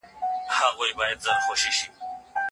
ځوانان باید کار وکړي.